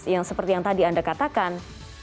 yang seperti yang tadi anda katakan